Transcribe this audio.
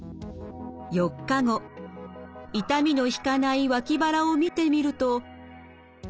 ４日後痛みの引かない脇腹を見てみると。